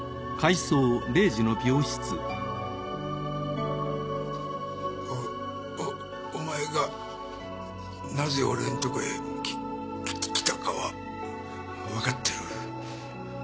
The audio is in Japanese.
塚原：おお前がなぜ俺のところへ来たかはわかってる。